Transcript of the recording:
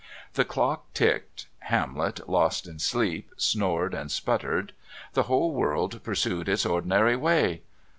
The clock ticked. Hamlet, lost in sleep, snored and sputtered; the whole world pursued its ordinary way.